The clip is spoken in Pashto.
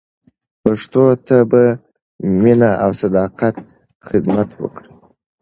پښتو ته په مینه او صداقت خدمت وکړئ.